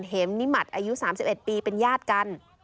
เหมนิมัติอายุ๓๑ปีเป็นญาติกัน